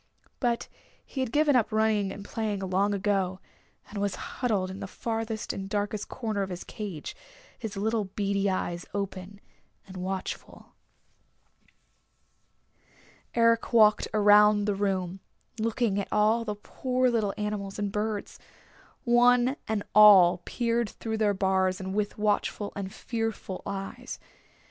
But he had given up running and playing long ago, and was huddled in the farthest and darkest corner of his cage, his little beady eyes open and watchful. Eric walked around the room, looking at all the poor little animals and birds. One and all peered through their bars with watchful and fearful eyes.